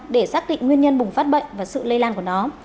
để xác định nguyên nhân bùng phát bệnh và sự lây lan của nó